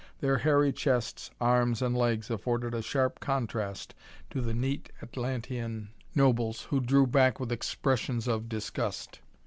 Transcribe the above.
Their hairy chests, arms and legs afforded a sharp contrast to the neat Atlantean nobles, who drew back with expressions of disgust.